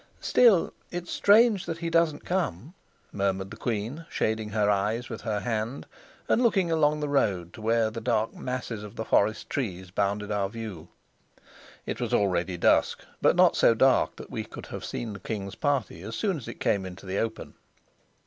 "Still it's strange that he doesn't come," murmured the queen, shading her eyes with her hand, and looking along the road to where the dark masses of the forest trees bounded our view. It was already dusk, but not so dark but that we could have seen the king's party as soon as it came into the open.